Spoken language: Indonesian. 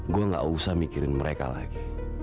gue gak usah mikirin mereka lagi